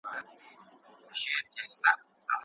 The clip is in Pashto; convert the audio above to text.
هغه د خپلې پاچاهۍ تخت د خپلواکۍ لپاره استعمال کړ.